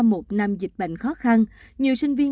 một năm dịch bệnh khó khăn nhiều sinh viên